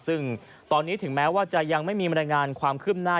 ซึ่งตอนนี้ถึงแม้ว่าจะยังไม่มีบรรยายงานความคืบหน้า